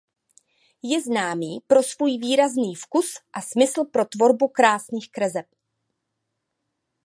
Je známý pro svůj výrazný vkus a smysl pro tvorbu krásných kreseb.